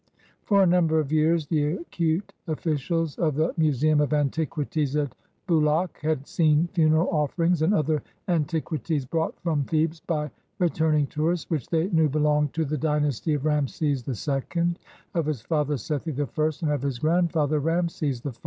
For a number of years the acute officials of the Museum of Antiquities at Bulaq had seen funeral offerings and other antiquities brought from Thebes by returning tourists, which they knew belonged to the dynasty of Rameses II, of his father Sethi I, and of his grandfather Rameses I.